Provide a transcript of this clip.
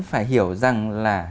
phải hiểu rằng là